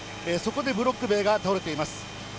そこでブロック塀が倒れています。